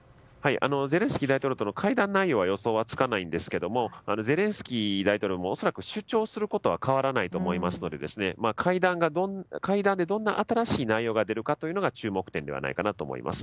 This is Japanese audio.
ゼレンスキー大統領との会談内容の予想はつきませんがゼレンスキー大統領が恐らく主張することは変わらないと思いますので会談でどんな新しい内容が出るかというのが注目点ではないかと思います。